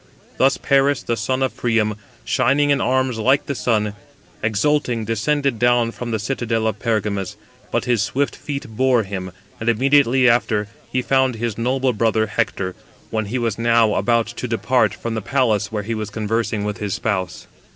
Thus Paris, the son of Priam, shining in arms like the sun, exulting descended down from the citadel of Pergamus, but his swift feet bore him, and immediately after he found his noble brother Hector, when he was now about to depart from the place where he was conversing with his spouse.